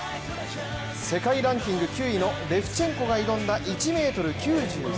世界ランキング９位のレフチェンコが挑んだ１ｍ９３ｃｍ。